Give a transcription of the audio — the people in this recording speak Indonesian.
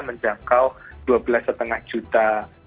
menjangkau dua belas lima juta